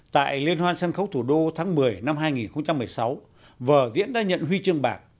tại liên hoan sân khấu thủ đô tháng một mươi năm hai nghìn một mươi sáu vở diễn đã nhận huy chương bạc